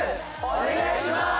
お願いします。